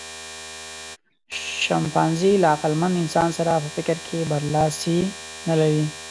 شامپانزي له عقلمن انسان سره په فکر کې برلاسی نهلري.